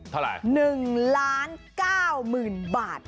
เท่าไหร่๑ล้าน๙หมื่นบาท